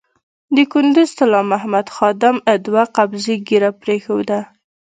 د کندز طلا محمد خادم دوه قبضې ږیره پرېښوده.